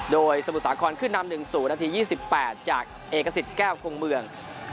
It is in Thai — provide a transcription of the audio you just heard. โดยสมุทรสาครขึ้นนำ๑๐นาที๒๘จากเอกสิทธิ์แก้วคงเมือง